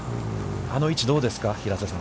あの位置、どうですか、平瀬さん。